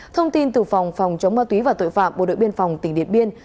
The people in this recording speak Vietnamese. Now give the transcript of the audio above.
thông tin từ phòng phòng chống ma túy và tội phạm bộ đội biên phòng tỉnh điện biên